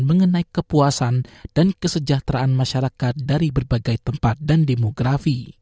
mengenai kepuasan dan kesejahteraan masyarakat dari berbagai tempat dan demografi